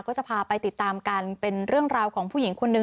ก็จะพาไปติดตามกันเป็นเรื่องราวของผู้หญิงคนนึง